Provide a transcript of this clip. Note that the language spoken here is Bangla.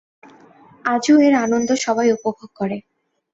আজও এর আনন্দ সবাই উপভোগ করে।